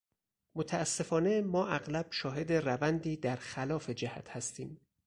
متاسفانه ما اغلب شاهد روندی در خلاف جهت هستیم